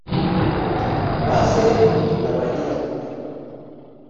ba sekuru na ba nyirakuru